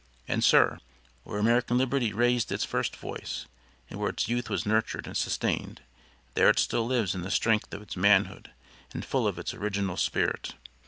And sir, where American liberty raised its first voice, and where its youth was nurtured and sustained, there it still lives in the strength of its manhood and full of its original spirit.